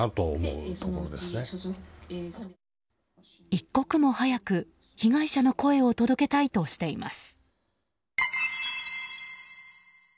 一刻も早く被害者の声を届けたいとしています。